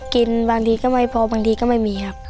บางทีก็ไม่พอบางทีก็ไม่มีครับ